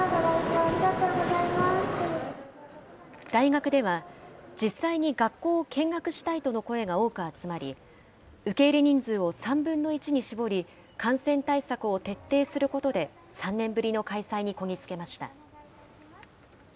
大学では、実際に学校を見学したいとの声が多く集まり、受け入れ人数を３分の１に絞り、感染対策を徹底することで、３年ぶりの開催にこぎ着けました。